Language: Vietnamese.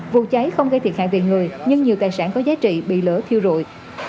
vụ cháy không gây thiệt hại về người nhưng nhiều tài sản có giá trị bị lửa thiêu rụi